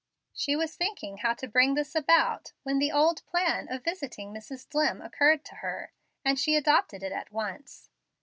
She was thinking how to bring this about, when the old plan of visiting Mrs. Dlimm occurred to her, and she adopted it at once.